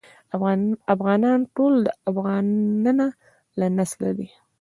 افغانان ټول د افغنه له نسله دي.